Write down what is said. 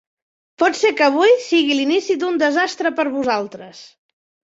Pot ser que avui sigui l'inici d'un desastre per a vosaltres.